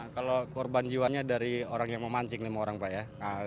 kalau korban jiwanya dari orang yang memancing lima orang pak ya